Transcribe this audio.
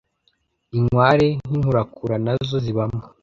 inkware n'inkurakura nazo zibamo